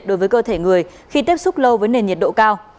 đối với cơ thể người khi tiếp xúc lâu với nền nhiệt độ cao